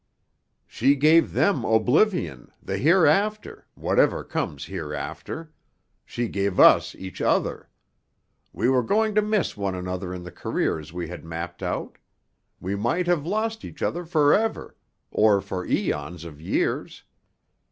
"She gave them oblivion, the hereafter, whatever comes hereafter. She gave us each other. We were going to miss one another in the careers we had mapped out. We might have lost each other forever, or for æons of years.